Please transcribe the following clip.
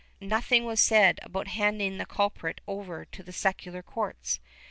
Nothing was said about handing the culprit over to the secular courts.